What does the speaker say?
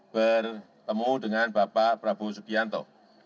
bertemu dengan bapak prabowo subianto